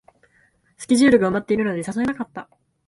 スケジュールが埋まってるので誘えなかった